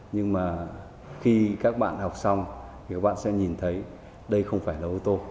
nhưng mà khi các bạn học xong thì các bạn sẽ nhìn thấy đây không phải là ô tô